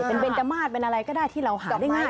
เป็นเบนจมาสเป็นอะไรก็ได้ที่เราหาได้ง่าย